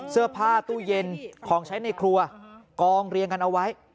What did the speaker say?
เสื้อผ้าตู้เย็นของใช้ในครัวกองเรียงกันเอาไว้